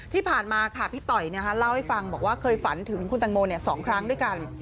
ที่ผ่านมาค่ะพี่ต่อยเล่าให้ฟังบอกว่าเคยฝันถึงคุณตังโม๒ครั้งด้วยกัน